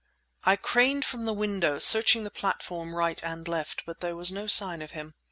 I craned from the window, searching the platform right and left. But there was no sign of him.